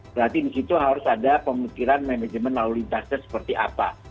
berarti di situ harus ada pemikiran manajemen lalu lintasnya seperti apa